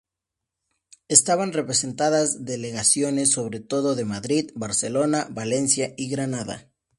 Estaban representadas delegaciones sobre todo de Madrid, Barcelona, Valencia y Granada.